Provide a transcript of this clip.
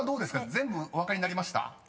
［全部お分かりになりました？］